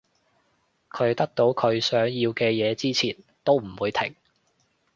佢得到佢想要嘅嘢之前都唔會停